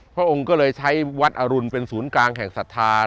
พระองค์ก็เลยใช้วัดอรุณเป็นศูนย์กลางแห่งศรัทธา